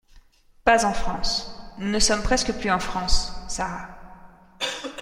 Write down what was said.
Pas en France. Nous ne sommes presque plus en France, Sara.